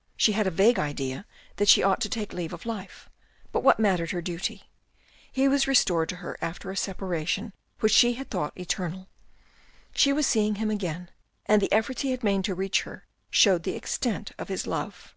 " She had a vague idea that she ought to take leave of life but what mattered her duty ? He was restored to her after a separation which she had thought eternal. She was seeing him again and the efforts he had made to reach her showed the extent of his love.